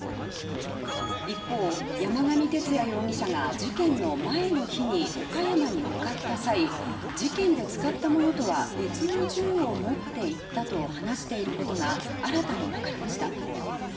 一方、山上徹也容疑者が事件の前の日に岡山に向かった際事件で使ったものとは別の銃を持っていったと話していることが新たにわかりました。